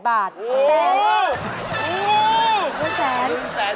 รับเลยค่ะ๑แสนบาท